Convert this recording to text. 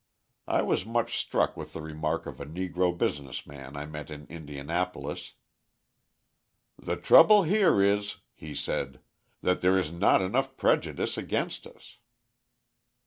I was much struck with the remark of a Negro business man I met in Indianapolis: "The trouble here is," he said, "that there is not enough prejudice against us."